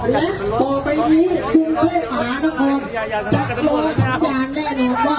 และต่อไปนี้คุณเค้ามาน้องเขาจะโทรทางด้านแน่นอนว่า